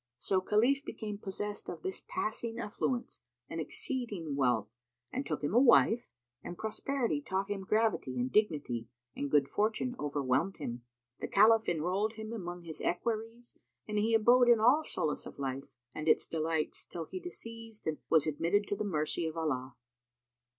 So Khalif became possessed of this passing affluence and exceeding wealth and took him a wife, and prosperity taught him gravity and dignity, and good fortune overwhelmed him. The Caliph enrolled him among his equerries and he abode in all solace of life and its delights till he deceased and was admitted to the mercy of Allah.